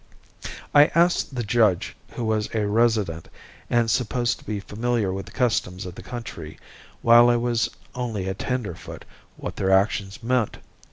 I asked the judge, who was a resident and supposed to be familiar with the customs of the country while I was only a tenderfoot, what their actions meant.